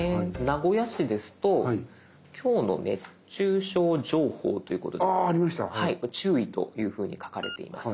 名古屋市ですと「きょうの熱中症情報」ということで注意というふうに書かれています。